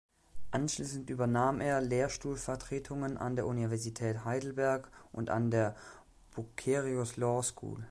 Anschließend übernahm er Lehrstuhlvertretungen an der Universität Heidelberg und an der Bucerius Law School.